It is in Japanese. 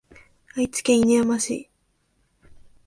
愛知県犬山市